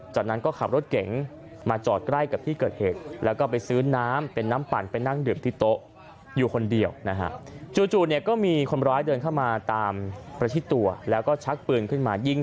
จากนั้นขับรถเก๋งมาจอดใกล้แก่ที่เกิดเหตุ